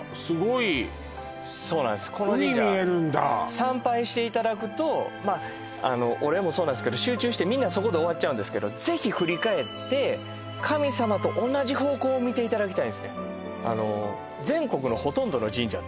すごいそうなんですこの神社海見えるんだ参拝していただくと俺もそうなんですけど集中してみんなそこで終わっちゃうんですけどぜひ振り返って神様と同じ方向を見ていただきたいんですね